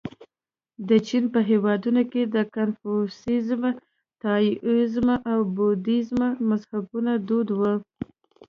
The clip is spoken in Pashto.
د چین په هېواد کې د کنفوسیزم، تائویزم او بودیزم مذهبونه دود دي.